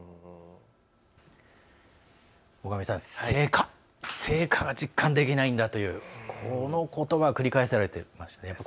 成果、成果が実感できないんだっていうこのことば繰り返されていましたね。